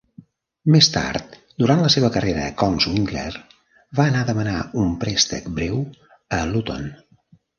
Més tard, durant la seva carrera a Kongsvinger, va anar a demanar un préstec breu a Luton.